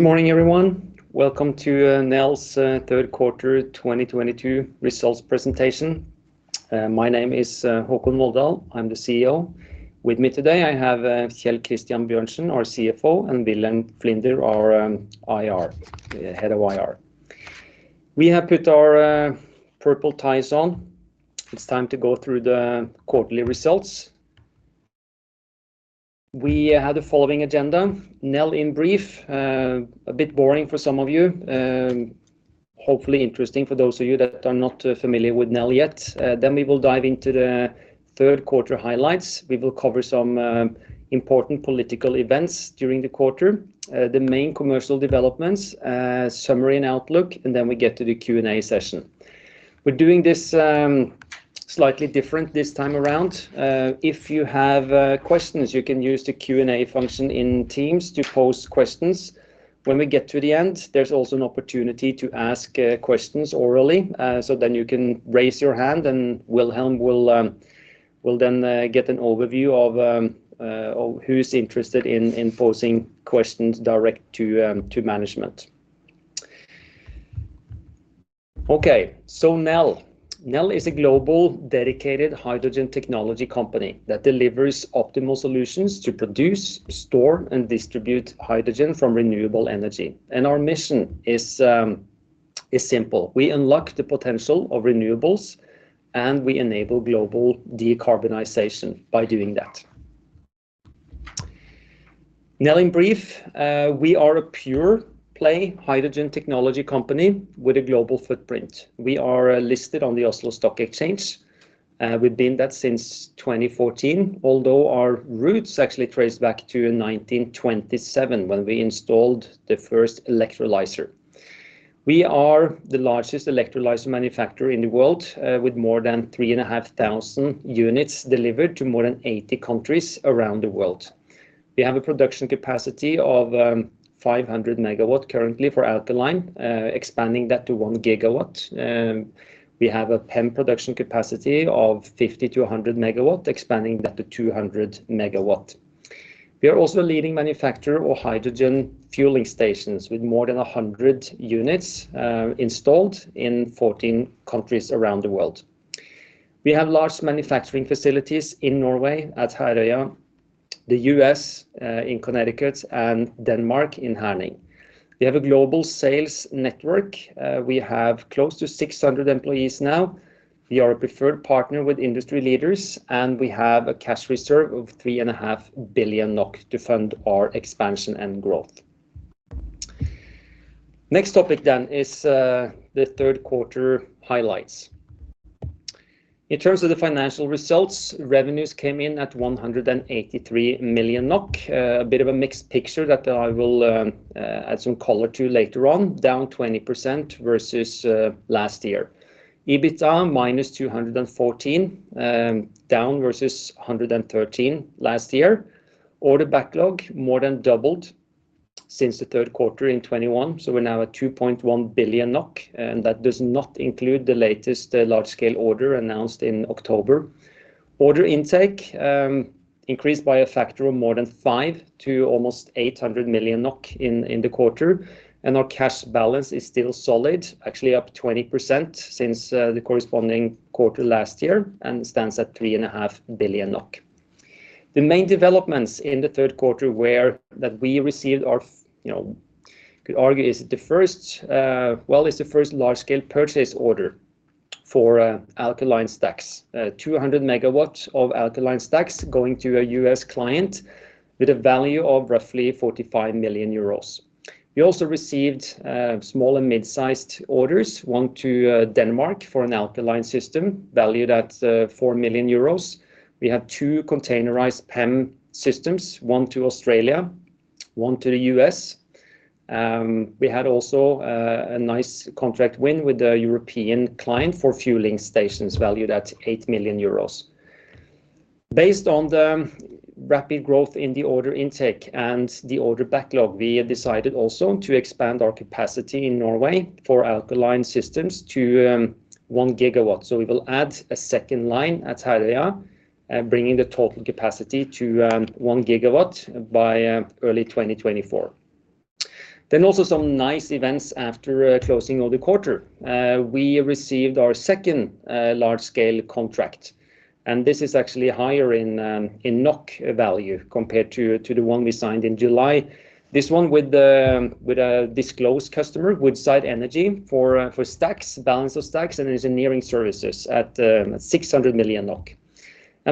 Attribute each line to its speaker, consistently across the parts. Speaker 1: Good morning, everyone. Welcome to Nel's third quarter 2022 results presentation. My name is Håkon Volldal. I'm the CEO. With me today I have Kjell Christian Bjørnsen, our CFO, and Wilhelm Flinder, our head of IR. We have put our purple ties on. It's time to go through the quarterly results. We have the following agenda. Nel in brief. A bit boring for some of you. Hopefully interesting for those of you that are not familiar with Nel yet. We will dive into the third quarter highlights. We will cover some important political events during the quarter, the main commercial developments, summary and outlook, and then we get to the Q&A session. We're doing this slightly different this time around. If you have questions, you can use the Q&A function in Teams to pose questions. When we get to the end, there's also an opportunity to ask questions orally. You can raise your hand, and Wilhelm will then get an overview of who's interested in posing questions directly to management. Okay. Nel. Nel is a global dedicated hydrogen technology company that delivers optimal solutions to produce, store, and distribute hydrogen from renewable energy. Our mission is simple: we unlock the potential of renewables, and we enable global decarbonization by doing that. Nel in brief, we are a pure-play hydrogen technology company with a global footprint. We are listed on the Oslo Stock Exchange. We've been that since 2014, although our roots actually trace back to 1927, when we installed the first electrolyser. We are the largest electrolyser manufacturer in the world, with more than 3,500 units delivered to more than 80 countries around the world. We have a production capacity of 500 MW currently for alkaline, expanding that to 1 GW. We have a PEM production capacity of 50-100 MW, expanding that to 200 MW. We are also a leading manufacturer of hydrogen fueling stations, with more than 100 units installed in 14 countries around the world. We have large manufacturing facilities in Norway at Herøya, the U.S. in Connecticut, and Denmark in Herning. We have a global sales network. We have close to 600 employees now. We are a preferred partner with industry leaders, and we have a cash reserve of 3.5 billion NOK to fund our expansion and growth. Next topic is the third quarter highlights. In terms of the financial results, revenues came in at 183 million NOK. A bit of a mixed picture that I will add some color to later on. Down 20% versus last year. EBITDA -214 million, down versus 113 million last year. Order backlog more than doubled since the third quarter in 2021, so we're now at 2.1 billion NOK, and that does not include the latest large-scale order announced in October. Order intake increased by a factor of more than five to almost 800 million NOK in the quarter. Our cash balance is still solid, actually up 20% since the corresponding quarter last year, and stands at 3.5 billion NOK. The main developments in the third quarter were that we received the first large-scale purchase order for Alkaline stacks. 200 MW of Alkaline stacks going to a U.S. client with a value of roughly 45 million euros. We also received small and mid-sized orders, one to Denmark for an Alkaline system valued at 4 million euros. We have two containerized PEM systems, one to Australia, one to the U.S. We had also a nice contract win with a European client for fueling stations valued at 8 million euros. Based on the rapid growth in the order intake and the order backlog, we have decided also to expand our capacity in Norway for alkaline systems to 1 GW. We will add a second line at Herøya, bringing the total capacity to 1 GW by early 2024. Some nice events after closing of the quarter. We received our second large-scale contract, and this is actually higher in NOK value compared to the one we signed in July. This one with a disclosed customer, Woodside Energy, for stacks, balance of stacks and engineering services at 600 million NOK.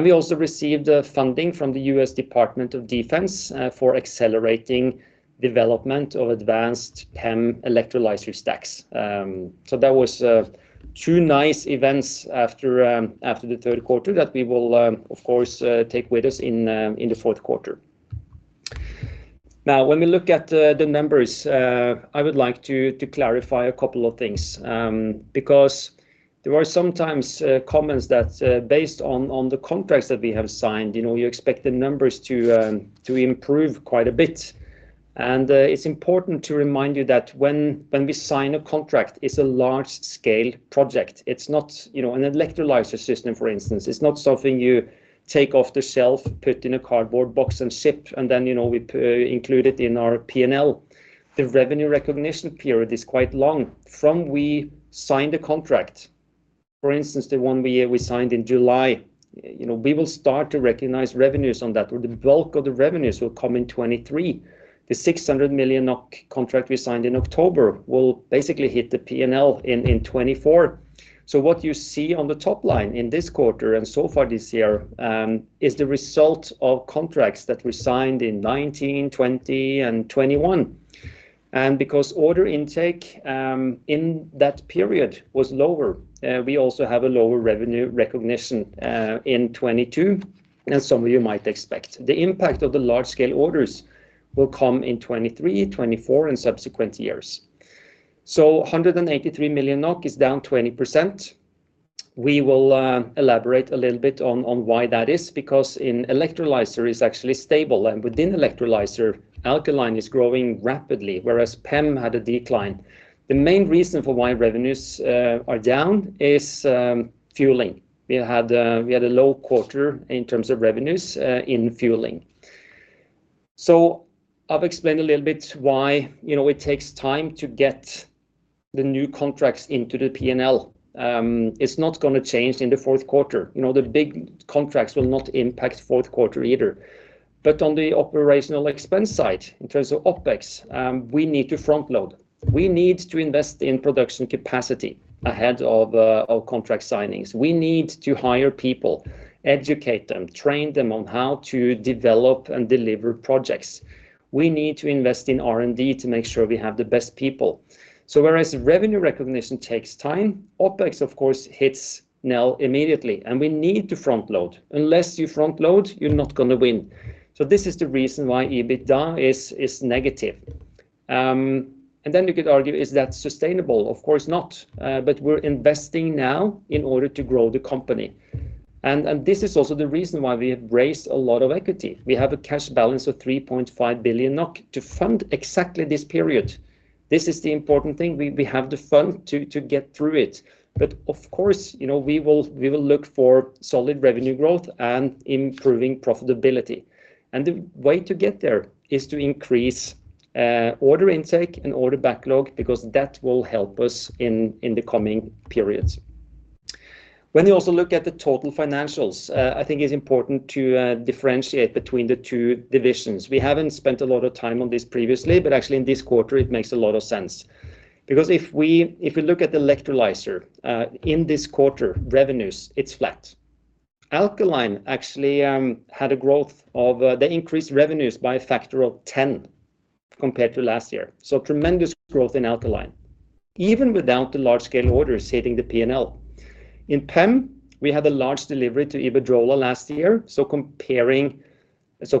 Speaker 1: We also received funding from the U.S. Department of Defense for accelerating development of advanced PEM electrolyser stacks. That was two nice events after the third quarter that we will, of course, take with us in the fourth quarter. Now, when we look at the numbers, I would like to clarify a couple of things because there are sometimes comments that, based on the contracts that we have signed, you know, you expect the numbers to improve quite a bit. It's important to remind you that when we sign a contract, it's a large-scale project. It's not, you know, an electrolyser system, for instance. It's not something you take off the shelf, put in a cardboard box, and ship, and then, you know, we include it in our P&L. The revenue recognition period is quite long. From when we sign the contract. For instance, the one we signed in July, you know, we will start to recognize revenues on that, where the bulk of the revenues will come in 2023. The 600 million NOK contract we signed in October will basically hit the P&L in 2024. What you see on the top line in this quarter and so far this year is the result of contracts that we signed in 2019, 2020 and 2021. Because order intake in that period was lower, we also have a lower revenue recognition in 2022 than some of you might expect. The impact of the large-scale orders will come in 2023, 2024 and subsequent years. 183 million NOK is down 20%. We will elaborate a little bit on why that is because the electrolyser is actually stable and within the electrolyser alkaline is growing rapidly, whereas PEM had a decline. The main reason for why revenues are down is fueling. We had a low quarter in terms of revenues in fueling. I've explained a little bit why, you know, it takes time to get the new contracts into the P&L. It's not gonna change in the fourth quarter. You know, the big contracts will not impact fourth quarter either. On the operational expense side, in terms of OpEx, we need to front-load. We need to invest in production capacity ahead of contract signings. We need to hire people, educate them, train them on how to develop and deliver projects. We need to invest in R&D to make sure we have the best people. Whereas revenue recognition takes time, OpEx of course hits now immediately and we need to front-load. Unless you front-load, you're not gonna win. This is the reason why EBITDA is negative. You could argue, is that sustainable? Of course not. We're investing now in order to grow the company. This is also the reason why we have raised a lot of equity. We have a cash balance of 3.5 billion NOK to fund exactly this period. This is the important thing. We have the fund to get through it. Of course, you know, we will look for solid revenue growth and improving profitability. The way to get there is to increase order intake and order backlog because that will help us in the coming periods. When you also look at the total financials, I think it's important to differentiate between the two divisions. We haven't spent a lot of time on this previously, but actually in this quarter it makes a lot of sense. If we look at electrolyser in this quarter, revenues. It's flat. Alkaline actually increased revenues by a factor of 10 compared to last year. Tremendous growth in Alkaline even without the large-scale orders hitting the P&L. In PEM, we had a large delivery to Iberdrola last year,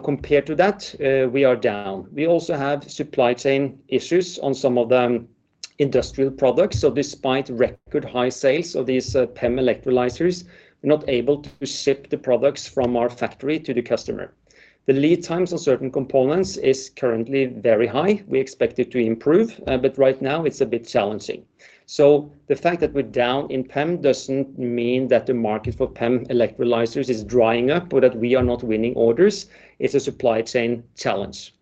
Speaker 1: compared to that, we are down. We also have supply chain issues on some of the industrial products, so despite record high sales of these PEM electrolysers, we're not able to ship the products from our factory to the customer. The lead times on certain components is currently very high. We expect it to improve, but right now it's a bit challenging. The fact that we're down in PEM doesn't mean that the market for PEM electrolysers is drying up or that we are not winning orders. It's a supply chain challenge.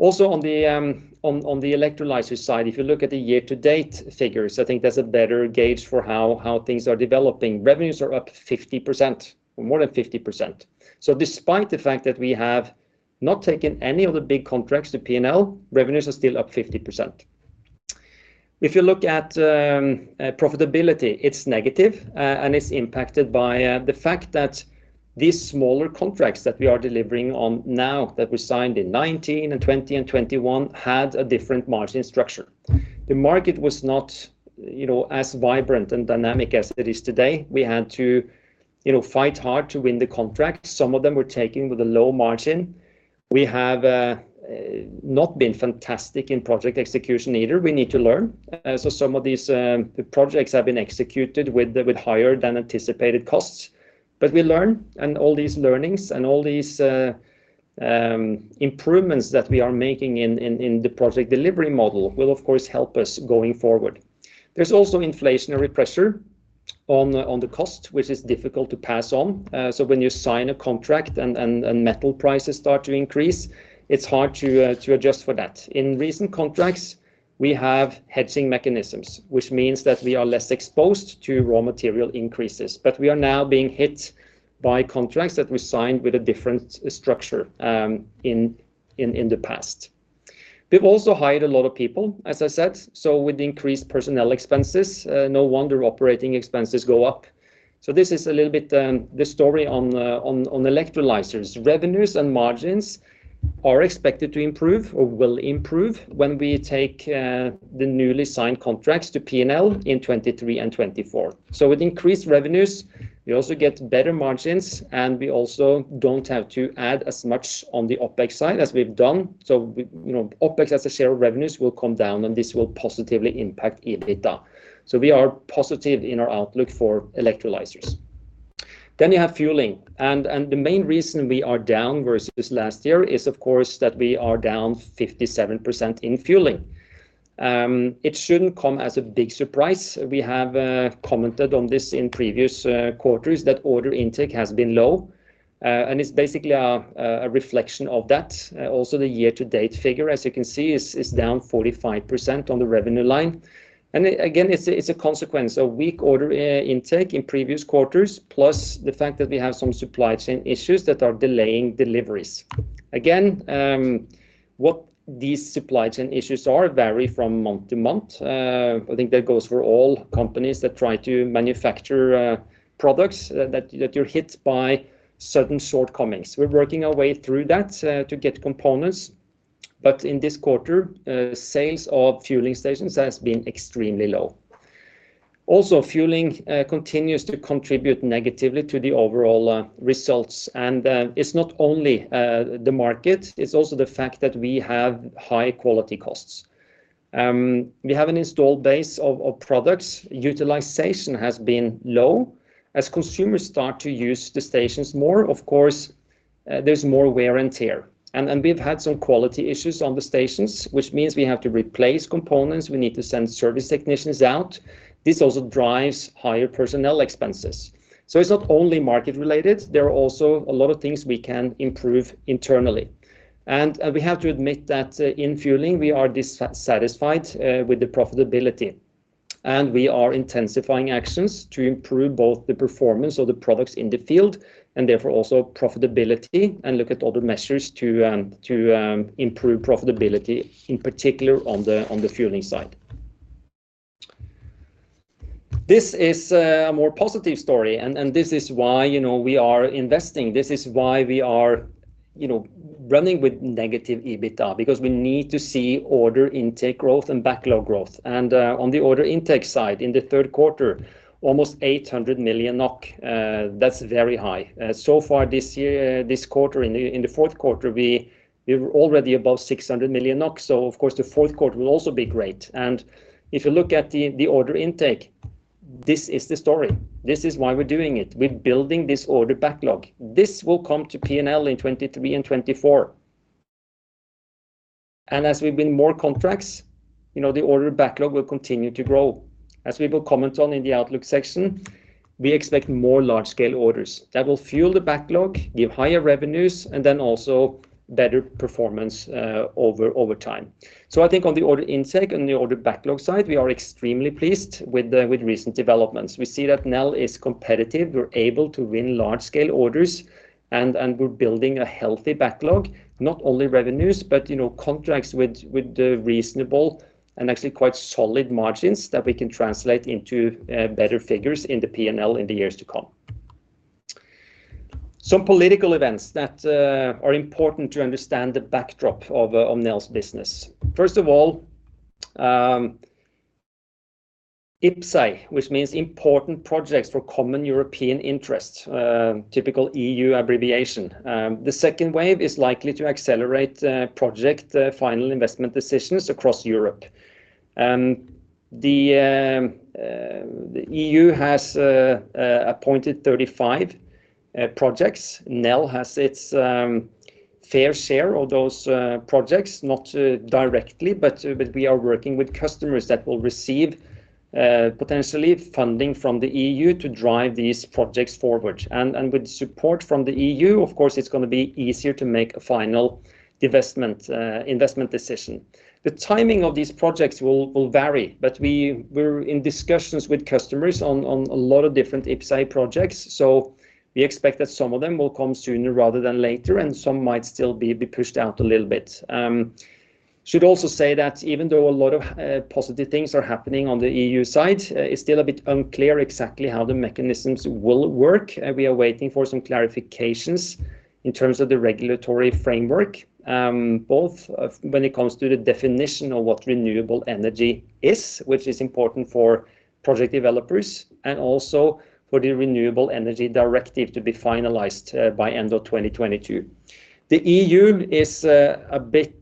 Speaker 1: Also on the electrolyser side, if you look at the year-to-date figures, I think that's a better gauge for how things are developing. Revenues are up 50% or more than 50%. Despite the fact that we have not taken any of the big contracts to P&L, revenues are still up 50%. If you look at profitability, it's negative. It's impacted by the fact that these smaller contracts that we are delivering on now that we signed in 2019 and 2020 and 2021 had a different margin structure. The market was not, you know, as vibrant and dynamic as it is today. We had to, you know, fight hard to win the contract. Some of them were taken with a low margin. We have not been fantastic in project execution either. We need to learn. Some of these projects have been executed with higher than anticipated costs. We learn and all these learnings and all these improvements that we are making in the project delivery model will of course help us going forward. There's also inflationary pressure on the cost, which is difficult to pass on. When you sign a contract and metal prices start to increase, it's hard to adjust for that. In recent contracts, we have hedging mechanisms, which means that we are less exposed to raw material increases. We are now being hit by contracts that we signed with a different structure in the past. We've also hired a lot of people, as I said, so with increased personnel expenses, no wonder operating expenses go up. This is a little bit the story on electrolysers. Revenues and margins are expected to improve or will improve when we take the newly signed contracts to P&L in 2023 and 2024. With increased revenues, we also get better margins, and we also don't have to add as much on the OpEx side as we've done. We, you know, OpEx as a share of revenues will come down and this will positively impact EBITDA. We are positive in our outlook for electrolysers. You have fueling. The main reason we are down versus last year is, of course, that we are down 57% in fueling. It shouldn't come as a big surprise. We have commented on this in previous quarters that order intake has been low, and it's basically a reflection of that. Also the year-to-date figure, as you can see, is down 45% on the revenue line. Again, it's a consequence of weak order intake in previous quarters, plus the fact that we have some supply chain issues that are delaying deliveries. Again, what these supply chain issues are vary from month to month. I think that goes for all companies that try to manufacture products that you're hit by certain shortcomings. We're working our way through that to get components. In this quarter, sales of fueling stations has been extremely low. Also, fueling continues to contribute negatively to the overall results. It's not only the market, it's also the fact that we have high quality costs. We have an installed base of products. Utilization has been low. As consumers start to use the stations more, of course, there's more wear and tear. We've had some quality issues on the stations, which means we have to replace components. We need to send service technicians out. This also drives higher personnel expenses. It's not only market related, there are also a lot of things we can improve internally. We have to admit that in fueling, we are dissatisfied with the profitability. We are intensifying actions to improve both the performance of the products in the field and therefore also profitability and look at other measures to improve profitability, in particular on the fueling side. This is a more positive story. This is why, you know, we are investing. This is why we are, you know, running with negative EBITDA, because we need to see order intake growth and backlog growth. On the order intake side, in the third quarter, almost 800 million NOK. That's very high. So far this year, this quarter, in the fourth quarter, we're already above 600 million NOK, so of course the fourth quarter will also be great. If you look at the order intake, this is the story. This is why we're doing it. We're building this order backlog. This will come to P&L in 2023 and 2024. As we win more contracts, you know, the order backlog will continue to grow. As we will comment on in the outlook section, we expect more large-scale orders that will fuel the backlog, give higher revenues, and then also better performance over time. I think on the order intake and the order backlog side, we are extremely pleased with recent developments. We see that Nel is competitive. We're able to win large-scale orders and we're building a healthy backlog, not only revenues, but you know contracts with the reasonable and actually quite solid margins that we can translate into better figures in the P&L in the years to come. Some political events that are important to understand the backdrop of Nel's business. First of all, IPCEI, which means Important Projects for Common European Interest, typical E.U. abbreviation. The second wave is likely to accelerate project final investment decisions across Europe. The E.U. has appointed 35 projects. Nel has its fair share of those projects, not directly, but we are working with customers that will receive potentially funding from the E.U. to drive these projects forward. With support from the EU, of course, it's gonna be easier to make a final investment decision. The timing of these projects will vary, but we're in discussions with customers on a lot of different IPCEI projects, so we expect that some of them will come sooner rather than later, and some might still be pushed out a little bit. Should also say that even though a lot of positive things are happening on the E.U.. Side, it's still a bit unclear exactly how the mechanisms will work. We are waiting for some clarifications in terms of the regulatory framework, both of when it comes to the definition of what renewable energy is, which is important for project developers and also for the Renewable Energy Directive to be finalized, by end of 2022. The E.U. is a bit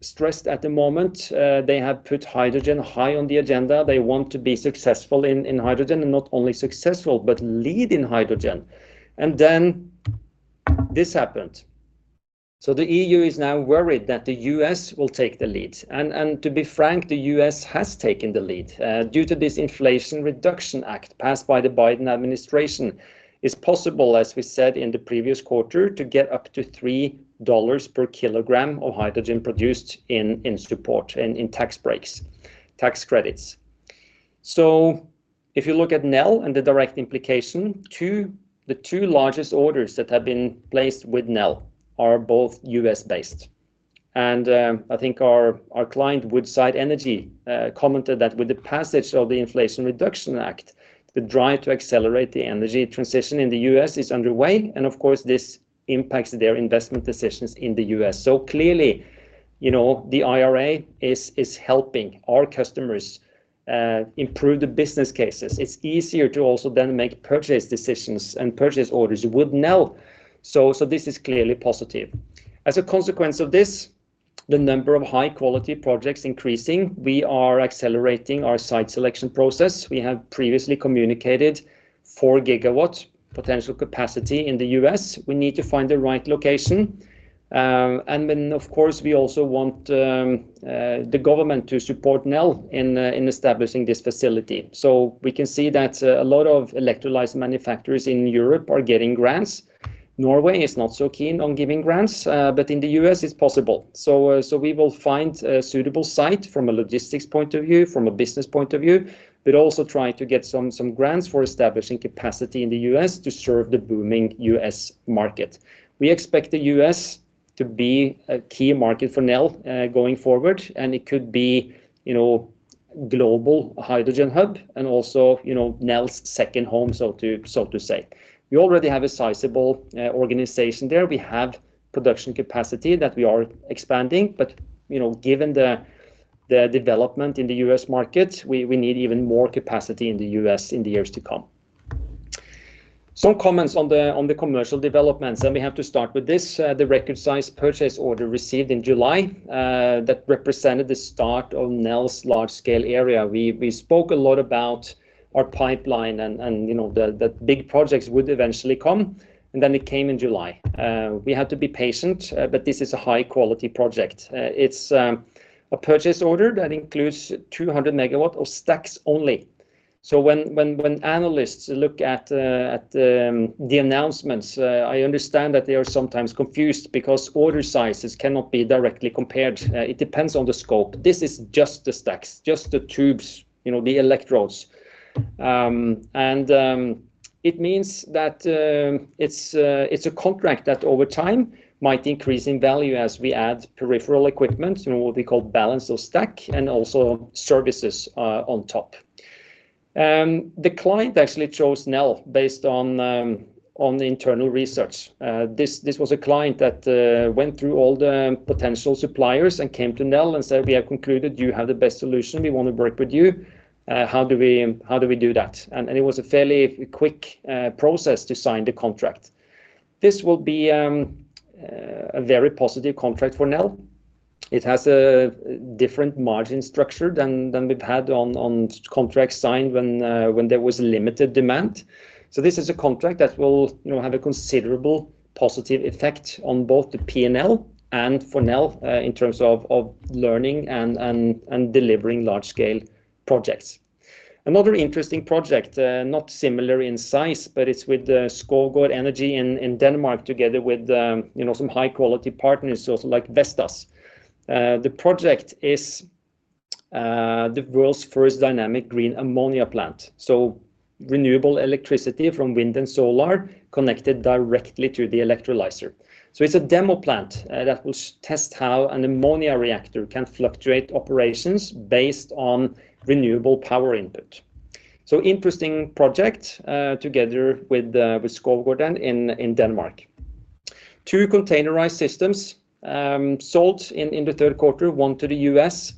Speaker 1: stressed at the moment. They have put hydrogen high on the agenda. They want to be successful in hydrogen and not only successful, but lead in hydrogen. This happened. The E.U. is now worried that the U.S. will take the lead. To be frank, the U.S. has taken the lead due to this Inflation Reduction Act passed by the Biden administration. It's possible, as we said in the previous quarter, to get up to $3 per kilogram of hydrogen produced in support of tax breaks, tax credits. If you look at Nel and the direct implication, the two largest orders that have been placed with Nel are both U.S.-based. I think our client, Woodside Energy, commented that with the passage of the Inflation Reduction Act, the drive to accelerate the energy transition in the U.S. is underway, and of course, this impacts their investment decisions in the U.S. Clearly, you know, the IRA is helping our customers improve the business cases. It's easier to also then make purchase decisions and purchase orders with Nel, so this is clearly positive. As a consequence of this, the number of high-quality projects increasing. We are accelerating our site selection process. We have previously communicated 4 GW potential capacity in the U.S. We need to find the right location. Of course, we also want the government to support Nel in establishing this facility. We can see that a lot of electrolyser manufacturers in Europe are getting grants. Norway is not so keen on giving grants, but in the U.S. it's possible. We will find a suitable site from a logistics point of view, from a business point of view, but also try to get some grants for establishing capacity in the U.S. to serve the booming U.S. market. We expect the U.S. to be a key market for Nel going forward, and it could be, you know, global hydrogen hub, and also, you know, Nel's second home, so to say. We already have a sizable organization there. We have production capacity that we are expanding. You know, given the development in the U.S. market, we need even more capacity in the U.S. in the years to come. Some comments on the commercial developments, then we have to start with this, the record-size purchase order received in July, that represented the start of Nel's large-scale era. We spoke a lot about our pipeline and, you know, that big projects would eventually come, and then it came in July. We had to be patient, but this is a high-quality project. It's a purchase order that includes 200 MW of stacks only. When analysts look at the announcements, I understand that they are sometimes confused because order sizes cannot be directly compared. It depends on the scope. This is just the stacks, just the tubes, you know, the electrodes. It means that it's a contract that over time might increase in value as we add peripheral equipment in what we call Balance of Stack and also services on top. The client actually chose Nel based on the internal research. This was a client that went through all the potential suppliers and came to Nel and said, "We have concluded you have the best solution. We want to work with you. How do we do that? It was a fairly quick process to sign the contract. This will be a very positive contract for Nel. It has a different margin structure than we've had on contracts signed when there was limited demand. This is a contract that will, you know, have a considerable positive effect on both the P&L and for Nel in terms of learning and delivering large scale projects. Another interesting project not similar in size, but it's with Skovgaard Energy in Denmark, together with, you know, some high-quality partners, like Vestas. The project is the world's first dynamic green ammonia plant, renewable electricity from wind and solar connected directly to the electrolyser. It's a demo plant that will test how an ammonia reactor can fluctuate operations based on renewable power input. Interesting project together with Skovgaard Energy then in Denmark. Two containerized systems sold in the third quarter, one to the U.S.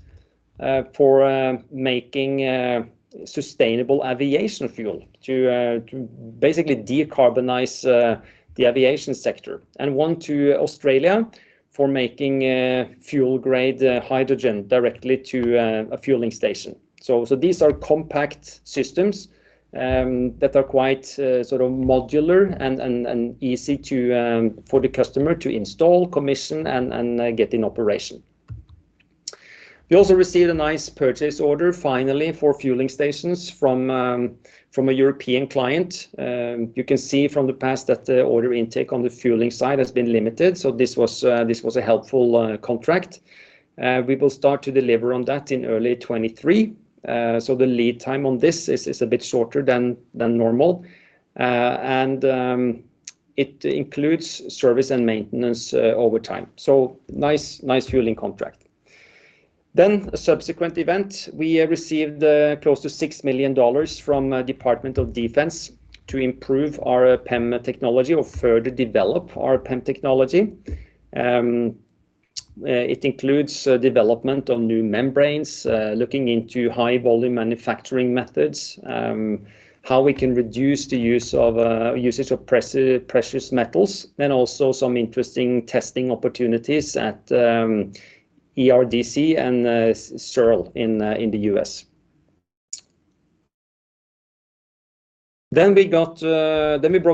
Speaker 1: for making sustainable aviation fuel to basically decarbonize the aviation sector, and one to Australia for making fuel-grade hydrogen directly to a fueling station. These are compact systems that are quite sort of modular and easy for the customer to install, commission, and get in operation. We also received a nice purchase order finally for fueling stations from a European client. You can see from the past that the order intake on the fueling side has been limited, so this was a helpful contract. We will start to deliver on that in early 2023. The lead time on this is a bit shorter than normal. It includes service and maintenance over time, so nice fueling contract. A subsequent event, we received close to $6 million from U.S. Department of Defense to improve our PEM technology or further develop our PEM technology. It includes development on new membranes, looking into high-volume manufacturing methods, how we can reduce the use of precious metals, and also some interesting testing opportunities at ERDC and CERL in the U.S. We broke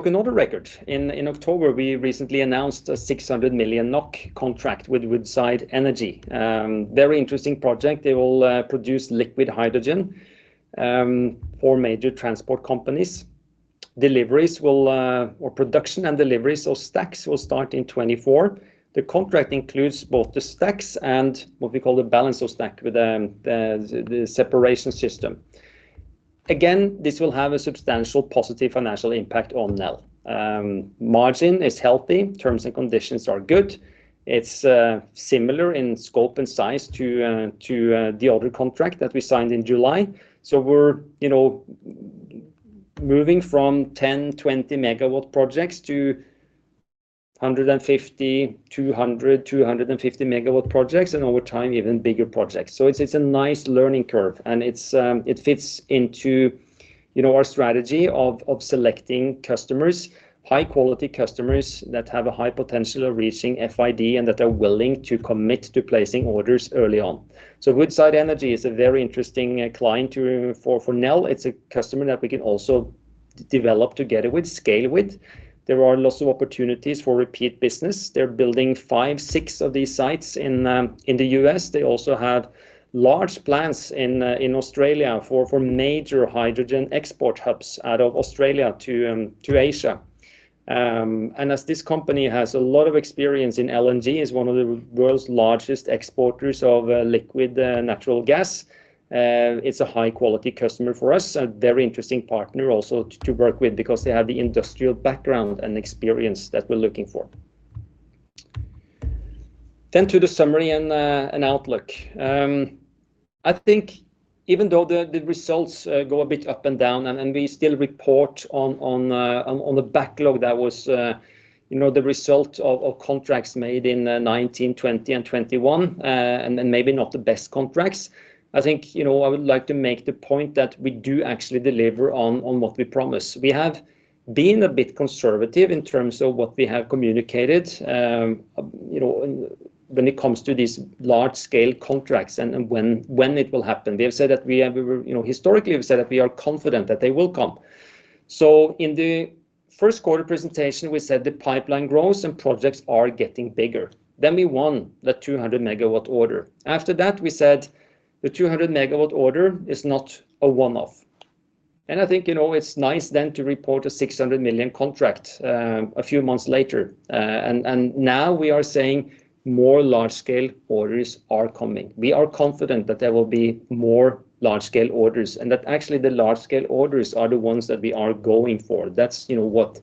Speaker 1: another record. In October, we recently announced a 600 million NOK contract with Woodside Energy, very interesting project. They will produce liquid hydrogen for major transport companies. Production and deliveries of stacks will start in 2024. The contract includes both the stacks and what we call the balance of stack with the separation system. Again, this will have a substantial positive financial impact on Nel. Margin is healthy. Terms and conditions are good. It's similar in scope and size to the other contract that we signed in July. We're, you know, moving from 10 MW, 20MW projects to 150 MW, 200 MW, 250 MW projects, and over time even bigger projects. It's a nice learning curve, and it fits into, you know, our strategy of selecting customers, high-quality customers that have a high potential of reaching FID and that are willing to commit to placing orders early on. Woodside Energy is a very interesting client for Nel. It's a customer that we can also develop together with, scale with. There are lots of opportunities for repeat business. They're building five or six of these sites in the U.S. They also have large plants in Australia for major hydrogen export hubs out of Australia to Asia. And as this company has a lot of experience in LNG, is one of the world's largest exporters of liquid natural gas, it's a high-quality customer for us. A very interesting partner also to work with because they have the industrial background and experience that we're looking for. To the summary and outlook. I think even though the results go a bit up and down and we still report on the backlog that was, you know, the result of contracts made in 2019, 2020 and 2021, and then maybe not the best contracts, I think, you know, I would like to make the point that we do actually deliver on what we promise. We have been a bit conservative in terms of what we have communicated, you know, when it comes to these large-scale contracts and when it will happen. We have said that we have. We were, you know, historically have said that we are confident that they will come. In the first quarter presentation, we said the pipeline grows and projects are getting bigger. We won the 200 MW order. After that we said the 200 MW order is not a one-off. I think, you know, it's nice then to report a 600 million contract a few months later. Now we are saying more large-scale orders are coming. We are confident that there will be more large-scale orders, and that actually the large-scale orders are the ones that we are going for. That's, you know, what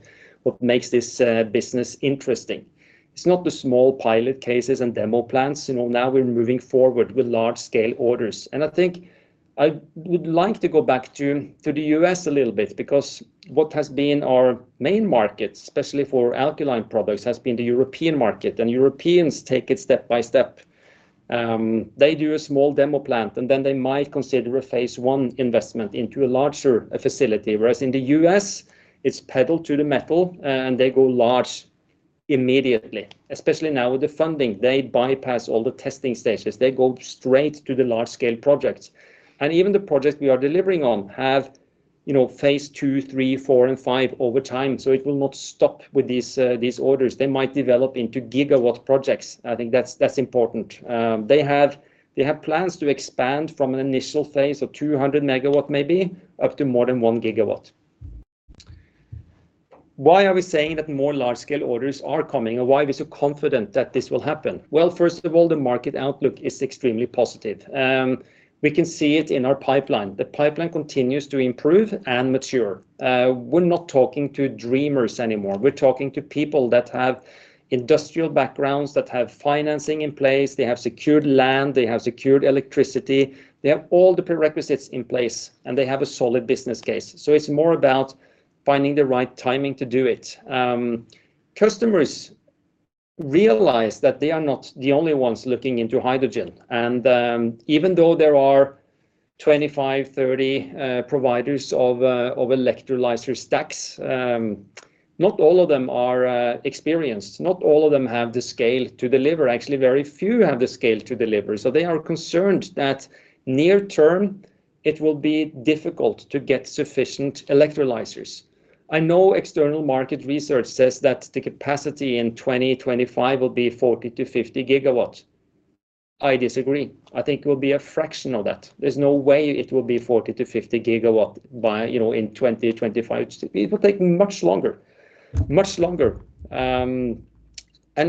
Speaker 1: makes this business interesting. It's not the small pilot cases and demo plants. You know, now we're moving forward with large-scale orders. I think I would like to go back to the U.S. a little bit because what has been our main market, especially for alkaline products, has been the European market, and Europeans take it step by step. They do a small demo plant and then they might consider a phase one investment into a larger facility, whereas in the U.S. it's pedal to the metal and they go large immediately. Especially now with the funding, they bypass all the testing stages. They go straight to the large-scale projects. Even the projects we are delivering on have, you know, phase two, three, four and five over time. It will not stop with these orders. They might develop into gigawatt projects. I think that's important. They have plans to expand from an initial phase of 200 MW maybe up to more than 1 GW. Why are we saying that more large-scale orders are coming, and why are we so confident that this will happen? Well, first of all, the market outlook is extremely positive. We can see it in our pipeline. The pipeline continues to improve and mature. We're not talking to dreamers anymore. We're talking to people that have industrial backgrounds, that have financing in place. They have secured land. They have secured electricity. They have all the prerequisites in place, and they have a solid business case. It's more about finding the right timing to do it. Customers realize that they are not the only ones looking into hydrogen. Even though there are 25, 30 providers of electrolyser stacks, not all of them are experienced. Not all of them have the scale to deliver. Actually, very few have the scale to deliver. They are concerned that near term it will be difficult to get sufficient electrolysers. I know external market research says that the capacity in 2025 will be 40 GW-50 GW. I disagree. I think it will be a fraction of that. There's no way it will be 40 GW-50 GW by, you know, in 2025. It will take much longer, much longer.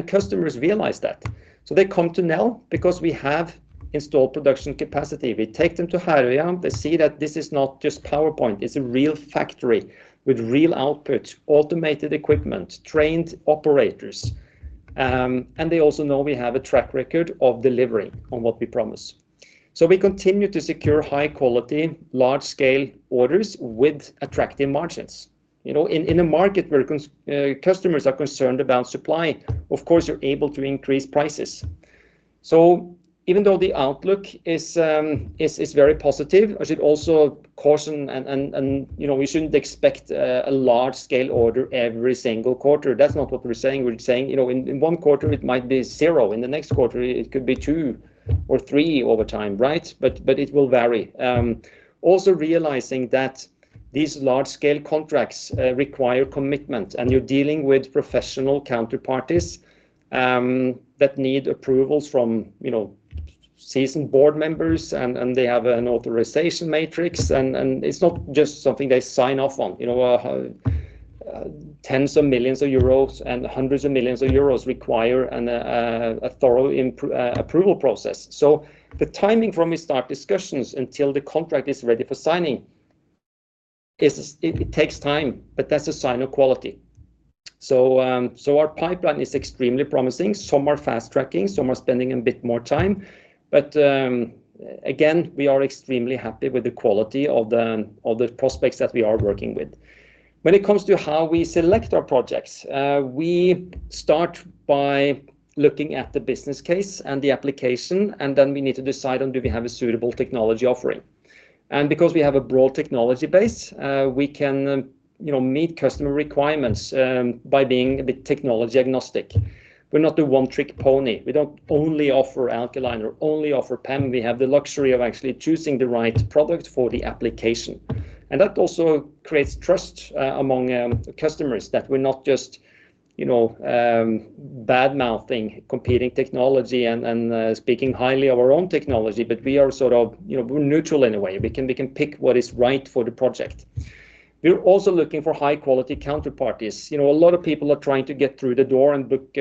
Speaker 1: Customers realize that. They come to Nel because we have installed production capacity. We take them to Herøya. They see that this is not just PowerPoint. It's a real factory with real output, automated equipment, trained operators. They also know we have a track record of delivering on what we promise. We continue to secure high-quality, large-scale orders with attractive margins. You know, in a market where customers are concerned about supply, of course you're able to increase prices. Even though the outlook is very positive, I should also caution and, you know, we shouldn't expect a large-scale order every single quarter. That's not what we're saying. We're saying, you know, in one quarter it might be zero. In the next quarter it could be two or three over time, right? It will vary. Also realizing that these large-scale contracts require commitment and you're dealing with professional counterparties that need approvals from, you know, seasoned board members and they have an authorization matrix and it's not just something they sign off on. You know, tens of millions of euros and hundreds of millions of euros require a thorough approval process. The timing from when we start discussions until the contract is ready for signing. It takes time, but that's a sign of quality. Our pipeline is extremely promising. Some are fast-tracking, some are spending a bit more time. Again, we are extremely happy with the quality of the prospects that we are working with. When it comes to how we select our projects, we start by looking at the business case and the application, and then we need to decide on do we have a suitable technology offering. Because we have a broad technology base, we can, you know, meet customer requirements by being a bit technology agnostic. We're not a one-trick pony. We don't only offer alkaline or only offer PEM. We have the luxury of actually choosing the right product for the application. That also creates trust among customers that we're not just, you know, badmouthing competing technology and speaking highly of our own technology. We are sort of, you know, we're neutral in a way. We can pick what is right for the project. We're also looking for high-quality counterparties. You know, a lot of people are trying to get through the door and book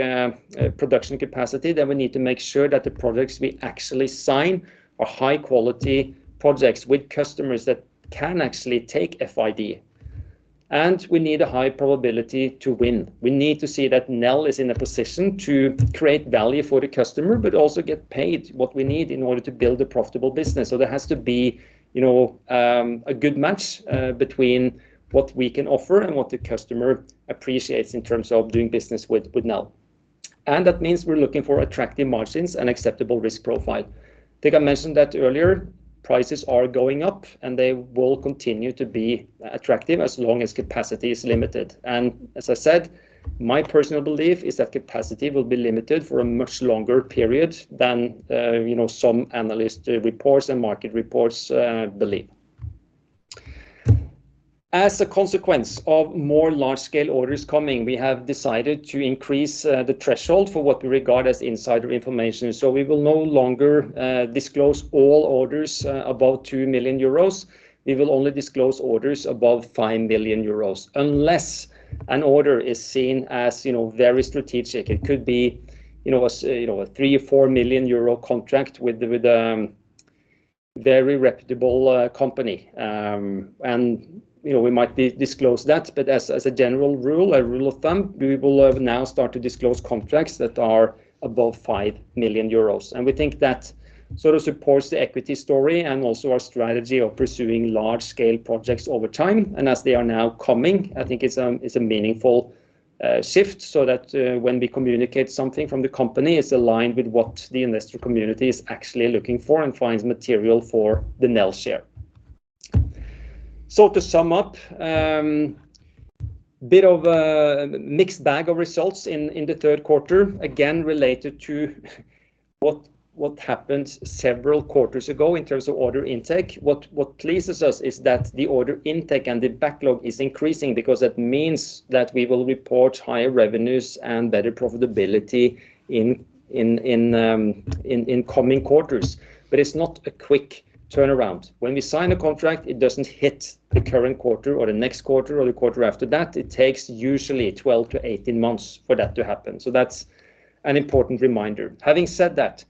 Speaker 1: production capacity, then we need to make sure that the projects we actually sign are high-quality projects with customers that can actually take FID. We need a high probability to win. We need to see that Nel is in a position to create value for the customer, but also get paid what we need in order to build a profitable business. There has to be, you know, a good match between what we can offer and what the customer appreciates in terms of doing business with Nel. That means we're looking for attractive margins and acceptable risk profile. Think I mentioned that earlier. Prices are going up, and they will continue to be attractive as long as capacity is limited. As I said, my personal belief is that capacity will be limited for a much longer period than you know, some analyst reports and market reports believe. As a consequence of more large-scale orders coming, we have decided to increase the threshold for what we regard as insider information. We will no longer disclose all orders above 2 million euros. We will only disclose orders above 5 million euros, unless an order is seen as you know, very strategic. It could be you know, a 3 million or 4 million euro contract with a with a very reputable company. And you know, we might disclose that. As a general rule, a rule of thumb, we will now start to disclose contracts that are above 5 million euros. We think that sort of supports the equity story and also our strategy of pursuing large-scale projects over time. As they are now coming, I think it's a meaningful shift so that when we communicate something from the company, it's aligned with what the investor community is actually looking for and finds material for the Nel share. To sum up, a bit of a mixed bag of results in the third quarter, again, related to what happened several quarters ago in terms of order intake. What pleases us is that the order intake and the backlog is increasing because that means that we will report higher revenues and better profitability in coming quarters. It's not a quick turnaround. When we sign a contract, it doesn't hit the current quarter or the next quarter or the quarter after that. It takes usually 12-18 months for that to happen. That's an important reminder. Having said that,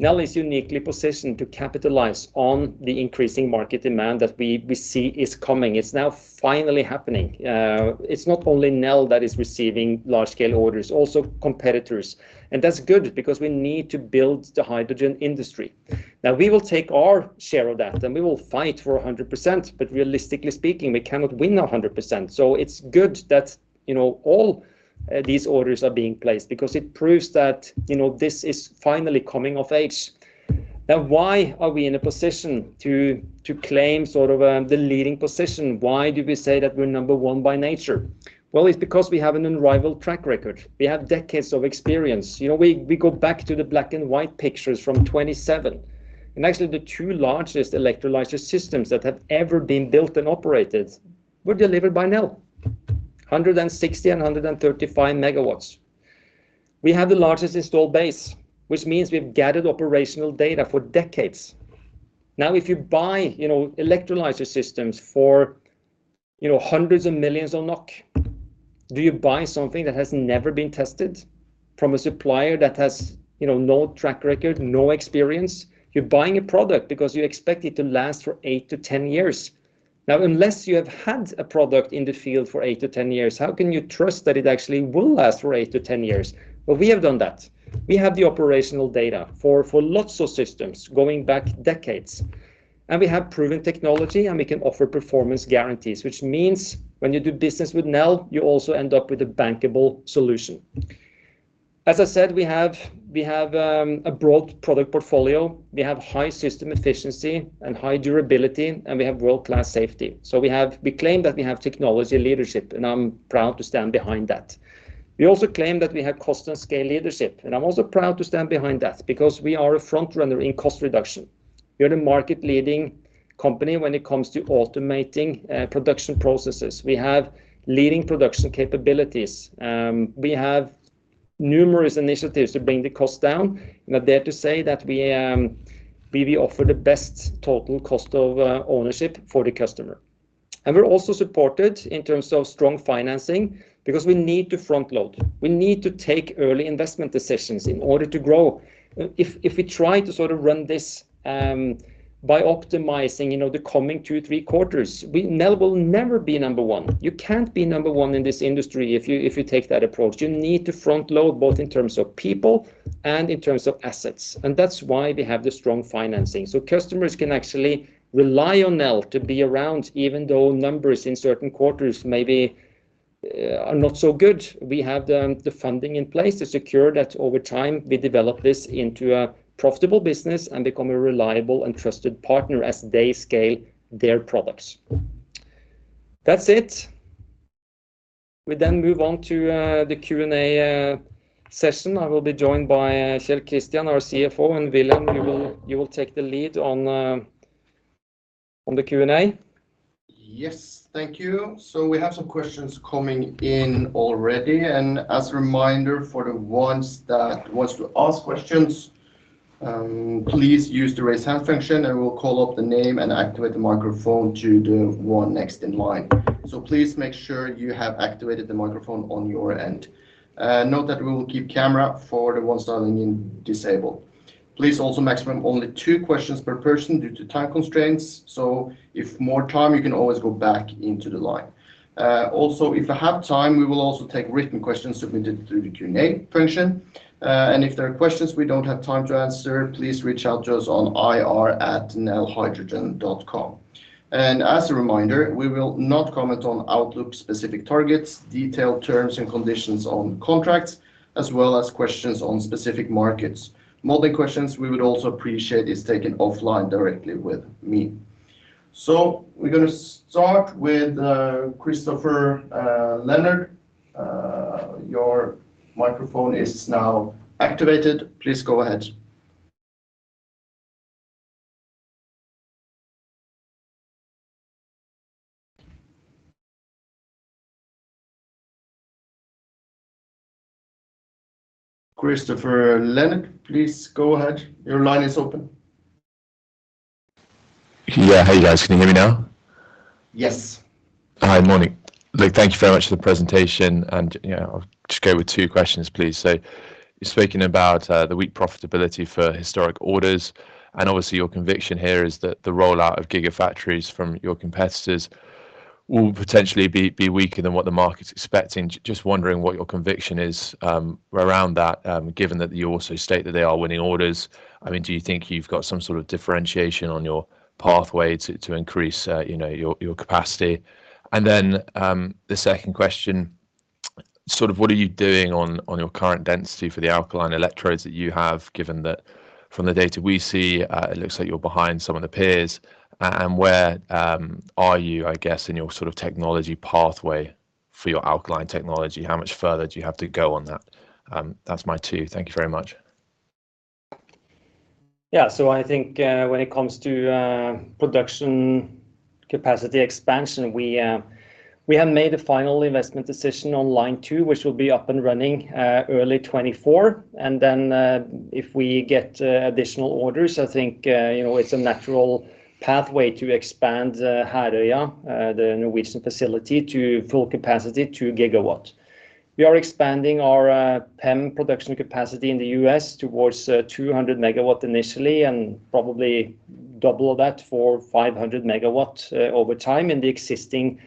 Speaker 1: Nel is uniquely positioned to capitalize on the increasing market demand that we see is coming. It's now finally happening. It's not only Nel that is receiving large-scale orders, also competitors. That's good because we need to build the hydrogen industry. Now, we will take our share of that, and we will fight for 100%, but realistically speaking, we cannot win 100%. It's good that, you know, all these orders are being placed because it proves that, you know, this is finally coming of age. Now, why are we in a position to claim sort of the leading position? Why do we say that we're number one by nature? Well, it's because we have an unrivaled track record. We have decades of experience. You know, we go back to the black and white pictures from 1927. Actually, the two largest electrolyser systems that have ever been built and operated were delivered by Nel, 160 MW and 135 MW. We have the largest installed base, which means we've gathered operational data for decades. Now, if you buy, you know, electrolyser systems for, you know, hundreds of millions of NOK, do you buy something that has never been tested from a supplier that has, you know, no track record, no experience? You're buying a product because you expect it to last for 8-10 years. Now, unless you have had a product in the field for 8-10 years, how can you trust that it actually will last for 8-10 years? We have done that. We have the operational data for lots of systems going back decades. We have proven technology, and we can offer performance guarantees, which means when you do business with Nel, you also end up with a bankable solution. As I said, we have a broad product portfolio. We have high system efficiency and high durability, and we have world-class safety. We claim that we have technology leadership, and I'm proud to stand behind that. We also claim that we have cost and scale leadership, and I'm also proud to stand behind that because we are a front runner in cost reduction. We are the market-leading company when it comes to automating production processes. We have leading production capabilities. We have numerous initiatives to bring the cost down. I dare to say that we offer the best total cost of ownership for the customer. We're also supported in terms of strong financing because we need to front load. We need to take early investment decisions in order to grow. If we try to sort of run this by optimizing, you know, the coming two, three quarters, we'll never be number one. You can't be number one in this industry if you take that approach. You need to front load both in terms of people and in terms of assets. That's why we have the strong financing. Customers can actually rely on Nel to be around, even though numbers in certain quarters maybe are not so good. We have the funding in place to secure that over time, we develop this into a profitable business and become a reliable and trusted partner as they scale their products. That's it. We move on to the Q&A session. I will be joined by Kjell Christian, our CFO, and Wilhelm. You will take the lead on the Q&A.
Speaker 2: Yes. Thank you. We have some questions coming in already, and as a reminder for the ones that wants to ask questions, please use the Raise Hand function, and we'll call up the name and activate the microphone to the one next in line. Please make sure you have activated the microphone on your end. Note that we will keep camera for the ones dialing in disabled. Please also maximum only two questions per person due to time constraints. If more time, you can always go back into the line. Also, if we have time, we will also take written questions submitted through the Q&A function. And if there are questions we don't have time to answer, please reach out to us on ir@nelhydrogen.com. As a reminder, we will not comment on outlook-specific targets, detailed terms and conditions on contracts, as well as questions on specific markets. Modeling questions we would also appreciate is taken offline directly with me. We're gonna start with Christopher Leonard. Your microphone is now activated. Please go ahead. Christopher Leonard, please go ahead. Your line is open.
Speaker 3: Yeah. Hey, guys. Can you hear me now?
Speaker 2: Yes.
Speaker 3: Hi. Morning. Look, thank you very much for the presentation, and, you know, I'll just go with two questions, please. You're speaking about the weak profitability for historic orders, and obviously your conviction here is that the rollout of gigafactories from your competitors will potentially be weaker than what the market's expecting. Just wondering what your conviction is around that, given that you also state that they are winning orders. I mean, do you think you've got some sort of differentiation on your pathway to increase, you know, your capacity? The second question, sort of what are you doing on your current density for the alkaline electrodes that you have, given that from the data we see, it looks like you're behind some of the peers, and where are you, I guess, in your sort of technology pathway for your alkaline technology? How much further do you have to go on that? That's my two. Thank you very much.
Speaker 1: Yeah. I think when it comes to production capacity expansion, we have made a final investment decision on line two, which will be up and running early 2024. If we get additional orders, I think you know it's a natural pathway to expand Herøya the Norwegian facility to full capacity, 2 GW. We are expanding our PEM production capacity in the U.S. towards 200 MW initially, and probably double that for 500 MW over time in the existing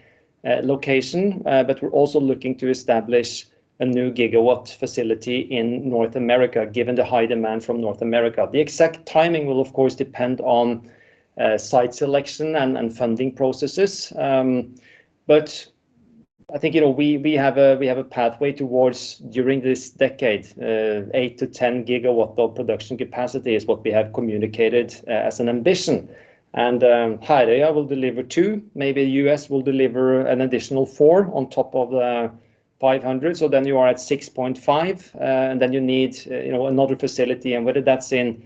Speaker 1: location. But we're also looking to establish a new gigawatt facility in North America, given the high demand from North America. The exact timing will of course depend on site selection and funding processes. I think, you know, we have a pathway towards during this decade, 8 GW-10 GW of production capacity is what we have communicated as an ambition. Herøya will deliver 2 GW, maybe U.S. will deliver an additional 4 GW on top of the 500 MW, so then you are at 6.5. Then you need, you know, another facility, and whether that's in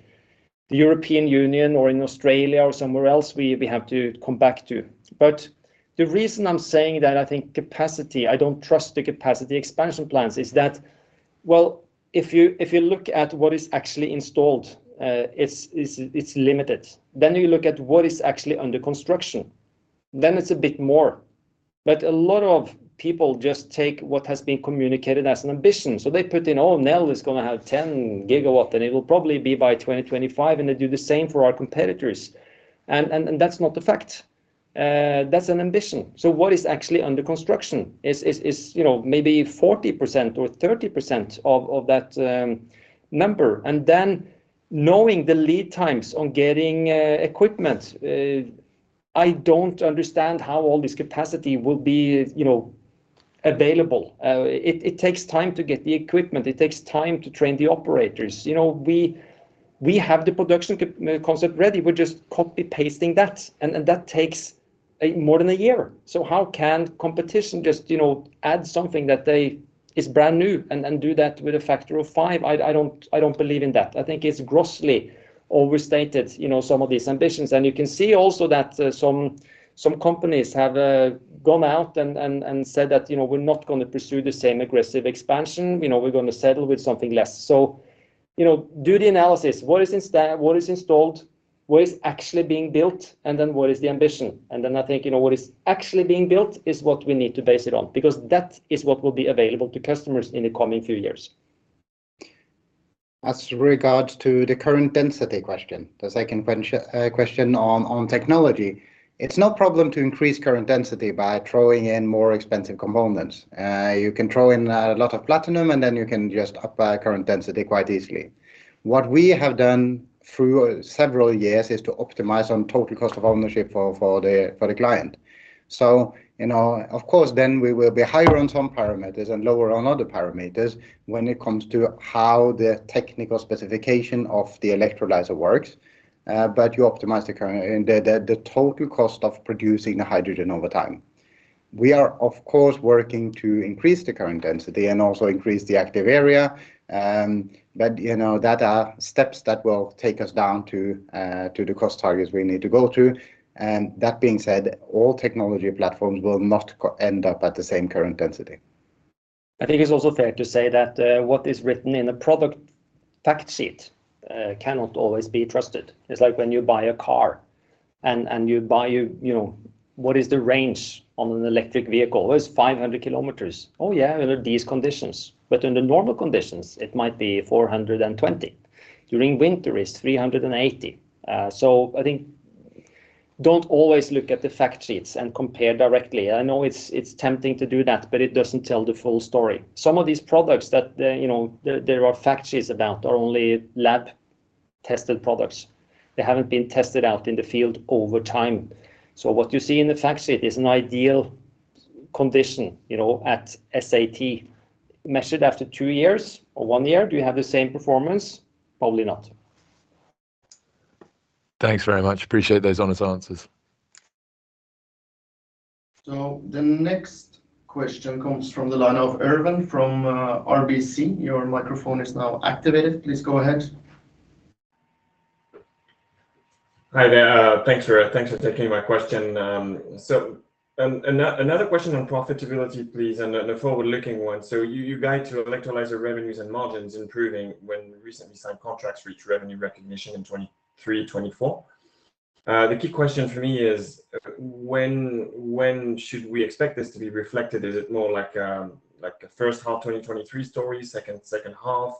Speaker 1: the European Union or in Australia or somewhere else, we have to come back to. The reason I'm saying that I think capacity, I don't trust the capacity expansion plans, is that, well, if you look at what is actually installed, it's limited. You look at what is actually under construction, then it's a bit more. A lot of people just take what has been communicated as an ambition. They put in, Oh, Nel is gonna have 10 GW, and it will probably be by 2025, and they do the same for our competitors. That's not the fact. That's an ambition. What is actually under construction is, you know, maybe 40% or 30% of that number. Knowing the lead times on getting equipment, I don't understand how all this capacity will be, you know, available. It takes time to get the equipment. It takes time to train the operators. You know, we have the production concept ready. We're just copy-pasting that, and that takes more than a year. How can competition just, you know, add something that they is brand new and do that with a factor of 5? I don't believe in that. I think it's grossly overstated, you know, some of these ambitions. You can see also that some companies have gone out and said that, you know, we're not gonna pursue the same aggressive expansion. You know, we're gonna settle with something less. You know, do the analysis. What is installed? What is actually being built? Then what is the ambition? Then I think, you know, what is actually being built is what we need to base it on because that is what will be available to customers in the coming few years.
Speaker 4: As regards the current density question, the second question on technology, it's no problem to increase current density by throwing in more expensive components. You can throw in a lot of platinum, and then you can just up current density quite easily. What we have done through several years is to optimize on total cost of ownership for the client. You know, of course, then we will be higher on some parameters and lower on other parameters when it comes to how the technical specification of the electrolyser works, but you optimize the current and the total cost of producing the hydrogen over time. We are, of course, working to increase the current density and also increase the active area. You know, that are steps that will take us down to the cost targets we need to go to. That being said, all technology platforms will not end up at the same current density.
Speaker 1: I think it's also fair to say that what is written in the product fact sheet cannot always be trusted. It's like when you buy a car and you know what is the range on an electric vehicle? Well, it's 500 KM. Oh, yeah, under these conditions. But under normal conditions, it might be 420 KM. During winter, it's 380 KM. So I think don't always look at the fact sheets and compare directly. I know it's tempting to do that, but it doesn't tell the full story. Some of these products that you know there are fact sheets about are only lab-tested products. They haven't been tested out in the field over time. So what you see in the fact sheet is an ideal condition, you know, at SAT. Measure it after two years or one year, do you have the same performance? Probably not.
Speaker 3: Thanks very much. Appreciate those honest answers.
Speaker 2: The next question comes from the line of Erwan from RBC. Your microphone is now activated. Please go ahead.
Speaker 5: Hi there. Thanks for taking my question. Another question on profitability, please, and a forward-looking one. You guide to electrolyser revenues and margins improving when recently signed contracts reach revenue recognition in 2023, 2024. The key question for me is when should we expect this to be reflected? Is it more like a first half 2023 story? Second half?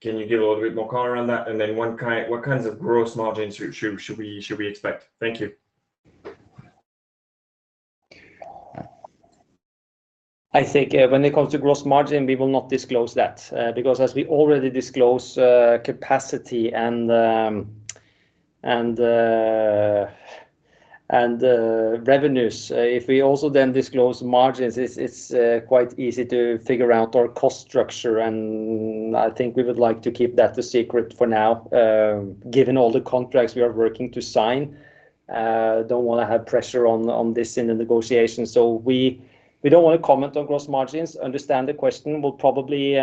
Speaker 5: Can you give a little bit more color on that? Then what kinds of gross margins should we expect? Thank you.
Speaker 1: I think when it comes to gross margin, we will not disclose that, because as we already disclose, capacity and revenues, if we also then disclose margins, it's quite easy to figure out our cost structure. I think we would like to keep that a secret for now, given all the contracts we are working to sign. Don't wanna have pressure on this in the negotiation. We don't wanna comment on gross margins. Understand the question. Will probably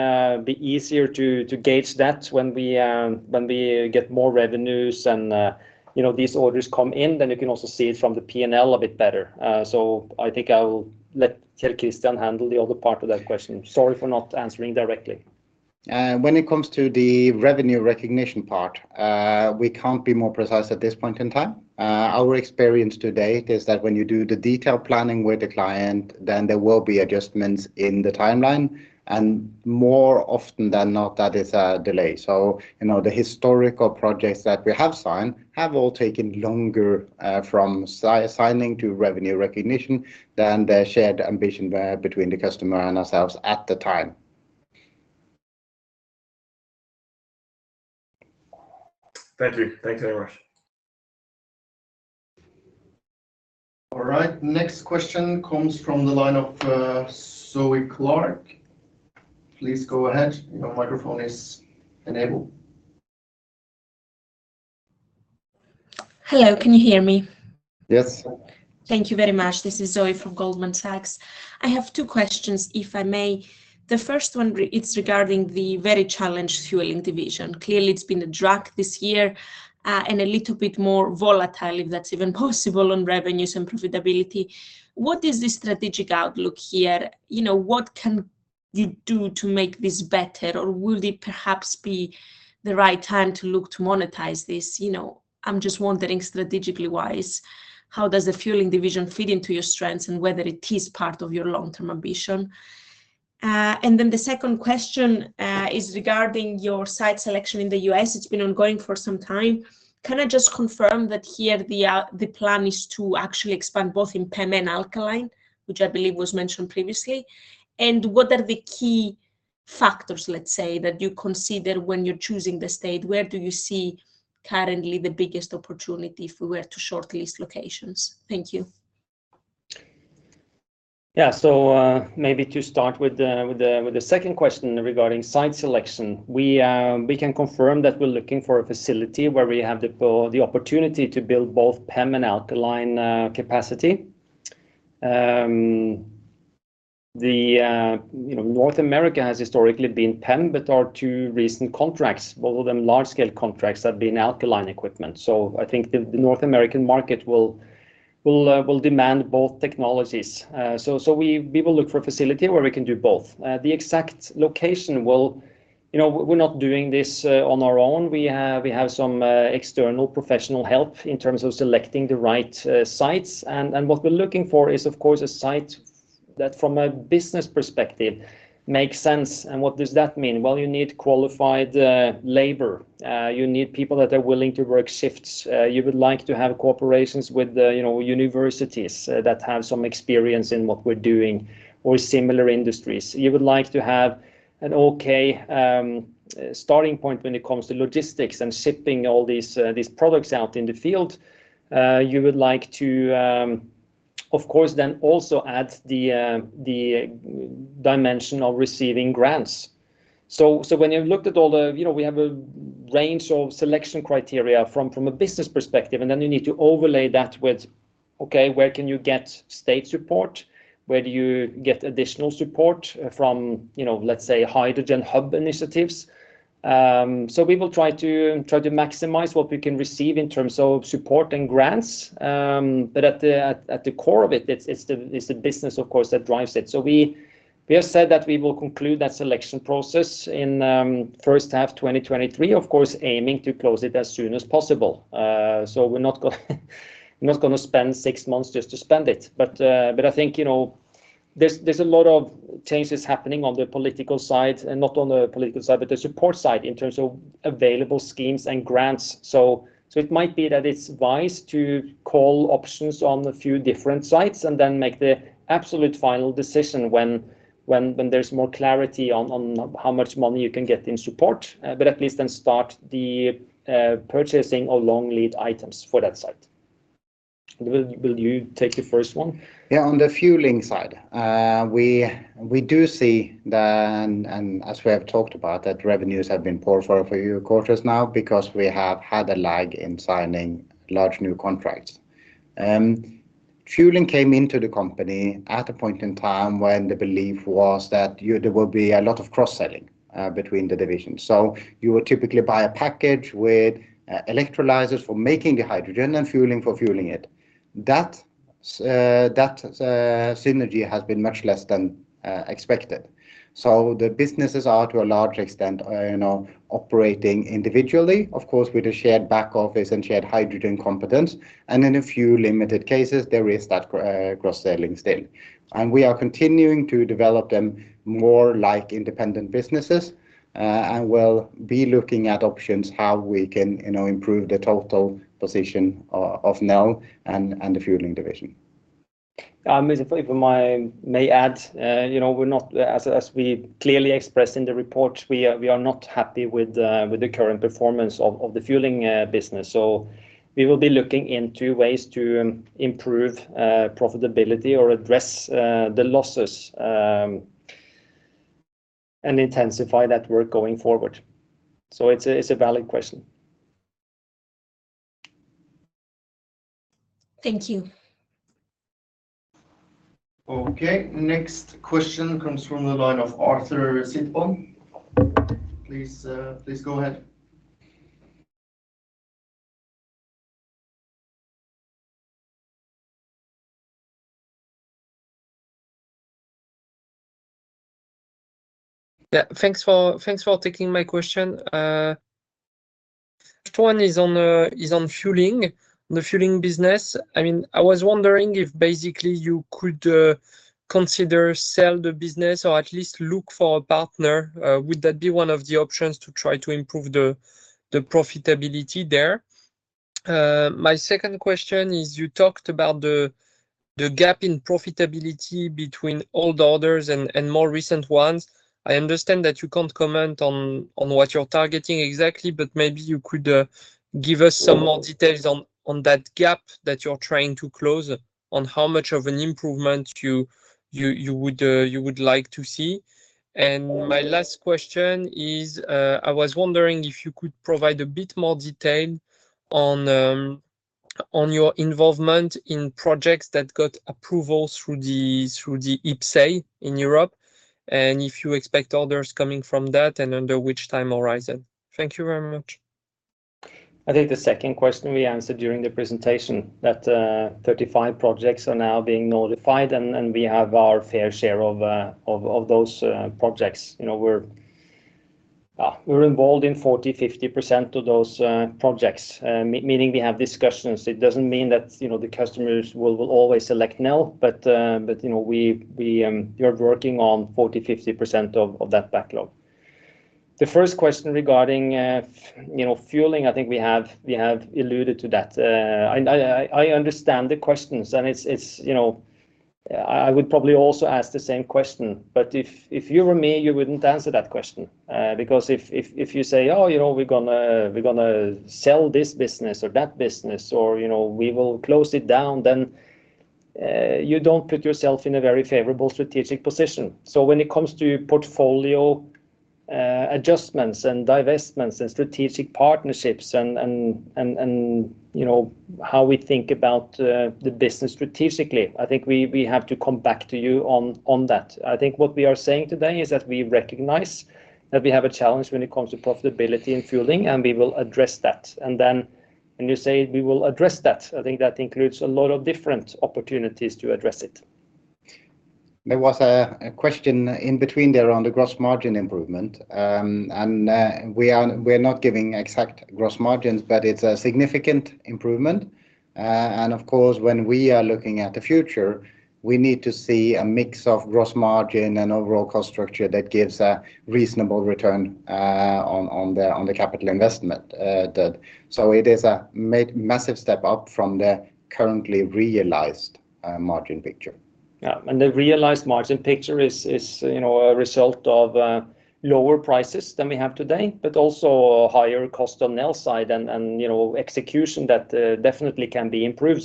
Speaker 1: be easier to gauge that when we get more revenues and, you know, these orders come in, then you can also see it from the P&L a bit better. I think I will let Kjell Christian handle the other part of that question. Sorry for not answering directly.
Speaker 4: When it comes to the revenue recognition part, we can't be more precise at this point in time. Our experience to date is that when you do the detailed planning with the client, then there will be adjustments in the timeline, and more often than not, that is a delay. You know, the historical projects that we have signed have all taken longer, from signing to revenue recognition than the shared ambition between the customer and ourselves at the time.
Speaker 5: Thank you. Thanks very much.
Speaker 2: All right. Next question comes from the line of Zoe Clarke. Please go ahead. Your microphone is enabled.
Speaker 6: Hello, can you hear me?
Speaker 2: Yes.
Speaker 6: Thank you very much. This is Zoe from Goldman Sachs. I have two questions, if I may. The first one, it's regarding the very challenged fueling division. Clearly it's been a drag this year, and a little bit more volatile, if that's even possible, on revenues and profitability. What is the strategic outlook here? You know, what can you do to make this better? Or will it perhaps be the right time to look to monetize this? You know, I'm just wondering strategically-wise, how does the fueling division fit into your strengths and whether it is part of your long-term ambition? And then the second question is regarding your site selection in the U.S. It's been ongoing for some time. Can I just confirm that here the plan is to actually expand both in PEM and alkaline, which I believe was mentioned previously? What are the key factors, let's say, that you consider when you're choosing the state? Where do you see currently the biggest opportunity if we were to shortlist locations? Thank you.
Speaker 1: Yeah, maybe to start with the second question regarding site selection. We can confirm that we're looking for a facility where we have the opportunity to build both PEM and alkaline capacity. You know, North America has historically been PEM, but our two recent contracts, both of them large-scale contracts, have been alkaline equipment. I think the North American market will demand both technologies. We will look for a facility where we can do both. The exact location will. You know, we're not doing this on our own. We have some external professional help in terms of selecting the right sites. What we're looking for is, of course, a site that from a business perspective makes sense. What does that mean? Well, you need qualified labor. You need people that are willing to work shifts. You would like to have cooperations with the, you know, universities that have some experience in what we're doing or similar industries. You would like to have an okay starting point when it comes to logistics and shipping all these products out in the field. You would like to, of course, then also add the dimension of receiving grants. When you've looked at all the you know, we have a range of selection criteria from a business perspective, and then you need to overlay that with, okay, where can you get state support? Where do you get additional support from, you know, let's say, hydrogen hub initiatives? We will try to maximize what we can receive in terms of support and grants. At the core of it's the business, of course, that drives it. We have said that we will conclude that selection process in first half 2023, of course, aiming to close it as soon as possible. We're not gonna spend six months just to spend it. I think, you know, there's a lot of changes happening on the political side, and not on the political side, but the support side in terms of available schemes and grants. It might be that it's wise to call options on a few different sites and then make the absolute final decision when there's more clarity on how much money you can get in support. At least then start the purchasing of long lead items for that site. Will you take the first one?
Speaker 4: On the fueling side, we see, and as we have talked about, revenues have been poor for a few quarters now because we have had a lag in signing large new contracts. Fueling came into the company at a point in time when the belief was that there will be a lot of cross-selling between the divisions. You would typically buy a package with electrolysers for making the hydrogen and fueling for fueling it. That synergy has been much less than expected. The businesses are, to a large extent, you know, operating individually, of course, with a shared back office and shared hydrogen competence. In a few limited cases, there is that cross-selling still. We are continuing to develop them more like independent businesses, and we'll be looking at options how we can, you know, improve the total position of Nel and the fueling division.
Speaker 1: If I may add, you know, we're not, as we clearly expressed in the report, we are not happy with the current performance of the fueling business. We will be looking into ways to improve profitability or address the losses and intensify that work going forward. It's a valid question.
Speaker 6: Thank you.
Speaker 2: Okay. Next question comes from the line of Arthur Sitbon. Please, go ahead.
Speaker 7: Yeah. Thanks for taking my question. First one is on fueling, the fueling business. I mean, I was wondering if basically you could consider sell the business or at least look for a partner. Would that be one of the options to try to improve the profitability there? My second question is you talked about the gap in profitability between old orders and more recent ones. I understand that you can't comment on what you're targeting exactly, but maybe you could give us some more details on that gap that you're trying to close on how much of an improvement you would like to see. My last question is, I was wondering if you could provide a bit more detail on your involvement in projects that got approval through the IPCEI in Europe, and if you expect orders coming from that and under which time horizon. Thank you very much.
Speaker 1: I think the second question we answered during the presentation that 35 projects are now being notified and we have our fair share of those projects. You know, we're involved in 40%-50% of those projects, meaning we have discussions. It doesn't mean that, you know, the customers will always select Nel, but you know, we are working on 40%-50% of that backlog. The first question regarding fueling, I think we have alluded to that. I understand the questions and it's you know. I would probably also ask the same question, but if you were me, you wouldn't answer that question, because if you say, Oh, you know, we're gonna sell this business or that business, or, you know, we will close it down, then you don't put yourself in a very favorable strategic position. When it comes to portfolio adjustments and divestments and strategic partnerships and, you know, how we think about the business strategically, I think we have to come back to you on that. I think what we are saying today is that we recognize that we have a challenge when it comes to profitability and fueling, and we will address that. When you say we will address that, I think that includes a lot of different opportunities to address it.
Speaker 4: There was a question in between there on the gross margin improvement. We're not giving exact gross margins, but it's a significant improvement. Of course, when we are looking at the future, we need to see a mix of gross margin and overall cost structure that gives a reasonable return on the capital investment that is a massive step up from the currently realized margin picture.
Speaker 1: Yeah. The realized margin picture is, you know, a result of lower prices than we have today, but also a higher cost on Nel's side and, you know, execution that definitely can be improved.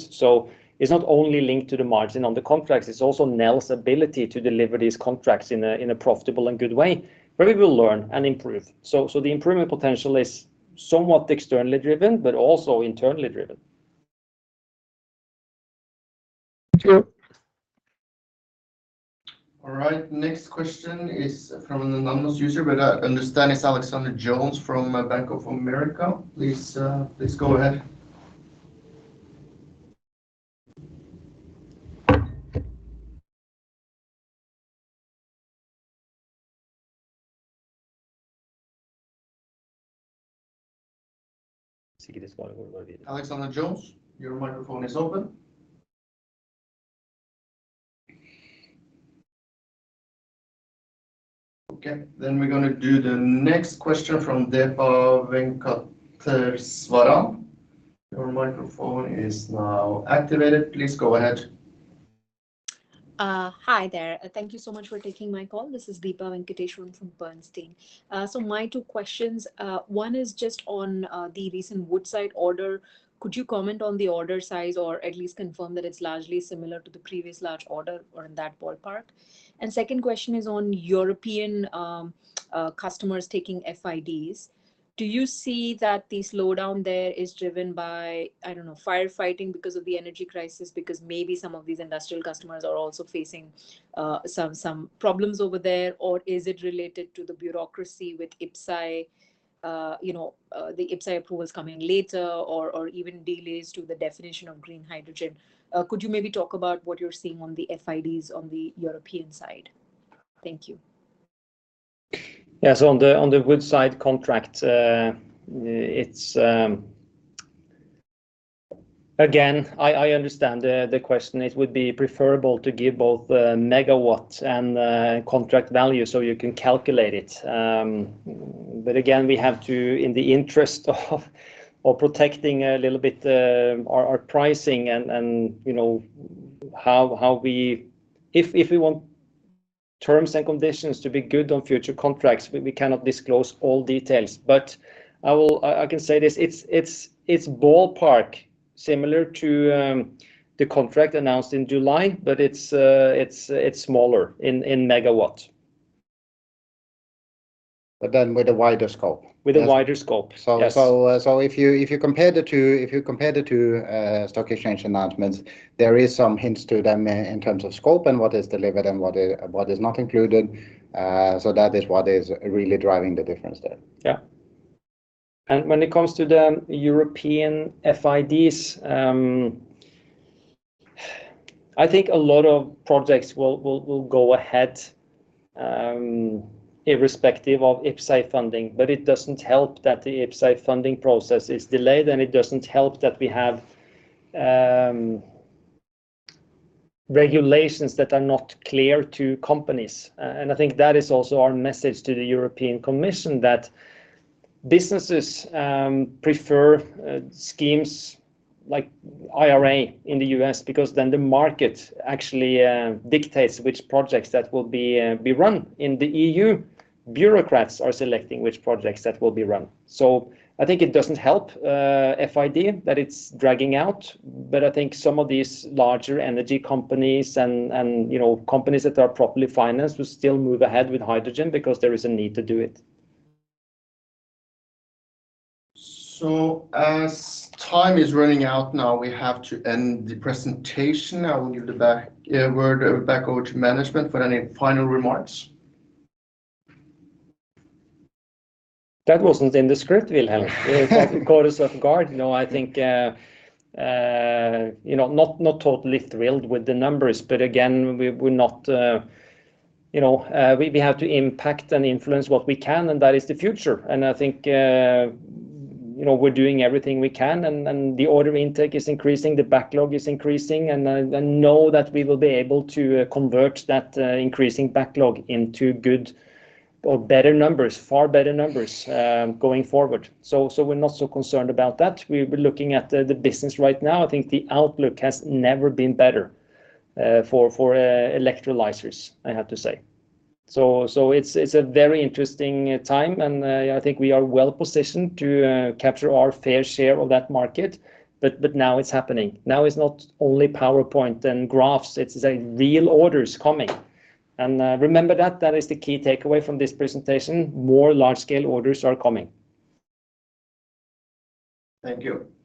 Speaker 1: It's not only linked to the margin on the contracts, it's also Nel's ability to deliver these contracts in a profitable and good way. We will learn and improve. The improvement potential is somewhat externally driven but also internally driven.
Speaker 7: Thank you.
Speaker 2: All right, next question is from an anonymous user, but I understand it's Alexander Jones from Bank of America. Please go ahead.
Speaker 4: See this one over there.
Speaker 2: Alexander Jones, your microphone is open. Okay, we're gonna do the next question from Deepa Venkateswaran. Your microphone is now activated. Please go ahead.
Speaker 8: Hi there. Thank you so much for taking my call. This is Deepa Venkateswaran from Bernstein. My two questions, one is just on the recent Woodside order. Could you comment on the order size, or at least confirm that it's largely similar to the previous large order or in that ballpark? Second question is on European customers taking FIDs. Do you see that the slowdown there is driven by, I don't know, firefighting because of the energy crisis? Because maybe some of these industrial customers are also facing some problems over there, or is it related to the bureaucracy with IPCEI? You know, the IPCEI approvals coming later or even delays to the definition of green hydrogen. Could you maybe talk about what you're seeing on the FIDs on the European side? Thank you.
Speaker 1: On the Woodside contract, it's. Again, I understand the question. It would be preferable to give both the megawatts and contract value so you can calculate it. Again, we have to in the interest of protecting a little bit our pricing and you know if we want terms and conditions to be good on future contracts, we cannot disclose all details. I can say this, it's ballpark similar to the contract announced in July, but it's smaller in megawatt.
Speaker 4: With a wider scope.
Speaker 1: With a wider scope.
Speaker 4: Yes.
Speaker 1: So, so.
Speaker 4: Yes If you compare the two stock exchange announcements, there is some hints to them in terms of scope and what is delivered and what is not included. That is what is really driving the difference there.
Speaker 1: Yeah. When it comes to the European FIDs, I think a lot of projects will go ahead irrespective of IPCEI funding. It doesn't help that the IPCEI funding process is delayed, and it doesn't help that we have regulations that are not clear to companies. I think that is also our message to the European Commission that businesses prefer schemes like IRA in the U.S. because then the market actually dictates which projects that will be run. In the E.U., bureaucrats are selecting which projects that will be run. I think it doesn't help, FID, that it's dragging out. I think some of these larger energy companies and, you know, companies that are properly financed will still move ahead with hydrogen because there is a need to do it.
Speaker 2: As time is running out now, we have to end the presentation. I will give it back over to management for any final remarks.
Speaker 1: That wasn't in the script, Wilhelm. It caught us off guard. No, I think, you know, not totally thrilled with the numbers, but again, we're not. You know, we have to impact and influence what we can, and that is the future. I think, you know, we're doing everything we can and the order intake is increasing, the backlog is increasing. Know that we will be able to convert that increasing backlog into good or better numbers, far better numbers, going forward. We're not so concerned about that. We've been looking at the business right now. I think the outlook has never been better for electrolysers, I have to say. It's a very interesting time, and I think we are well positioned to capture our fair share of that market. Now it's happening. Now it's not only PowerPoint and graphs, it's real orders coming. Remember that is the key takeaway from this presentation. More large scale orders are coming.
Speaker 2: Thank you.